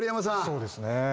そうですね